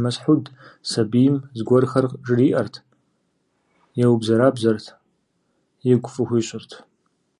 Мысхьуд сабийм зыгуэрхэр жыриӀэрт, еубзэрабзэрт, игу фӀы хуищӀырт.